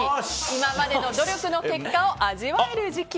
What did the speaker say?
今までの努力の結果を味わえる時期。